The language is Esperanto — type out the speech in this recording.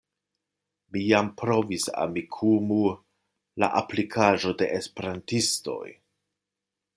Mi jam provis Amikumu, la aplikaĵo de Esperantistoj.